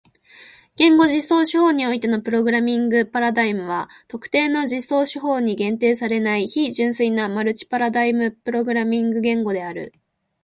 言語実装手法においてのプログラミングパラダイムは特定の実装手法に限定されない非純粋なマルチパラダイムプログラミング言語である。